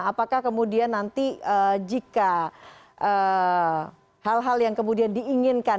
apakah kemudian nanti jika hal hal yang kemudian diinginkan